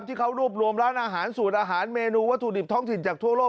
ที่เขารวบรวมร้านอาหารสูตรอาหารเมนูวัตถุดิบท้องถิ่นจากทั่วโลก